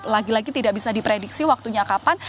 lagi lagi tidak bisa diprediksi waktunya kapan